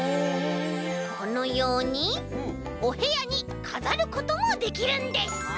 このようにおへやにかざることもできるんです！